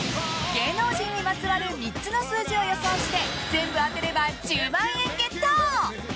芸能人にまつわる３つの数字を予想して全部当てれば１０万円ゲット！